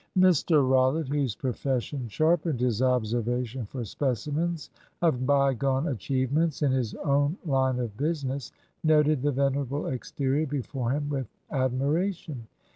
Mr Rollitt, whose profession sharpened his observation for specimens of bygone achievements in his own line of business, noted the venerable exterior before him with admiration.